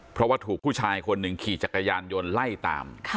เพราะว่าถูกผู้ชายคนหนึ่งขี่จักรยานยนต์ไล่ตาม